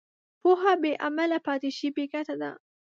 پوهه بېعمله پاتې شي، بېګټې ده.